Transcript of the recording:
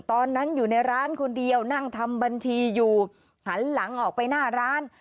ตอนนั้นอยู่ในร้านคนเดียวนั่งทำบัญชีอยู่หันหลังออกไปหน้าร้าน